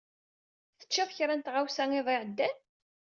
Teččiḍ kra n tɣawsa iḍ iɛeddan?